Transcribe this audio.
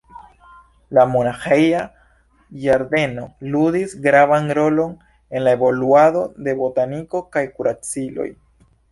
La monaĥeja ĝardeno ludis gravan rolon en la evoluado de botaniko kaj kuraciloj.